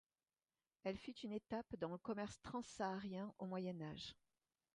Elle fut une étape dans le commerce transsaharien au Moyen Âge.